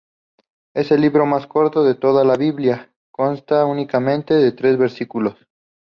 Es el libro más corto de toda la "Biblia": consta únicamente de trece versículos.